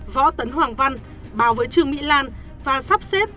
võ tấn hoàng văn bảo với trương mỹ lan và sắp xếp